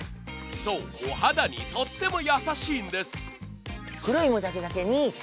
そう、お肌にとっても優しいんです。